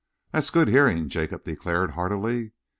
"That's good hearing," Jacob declared heartily.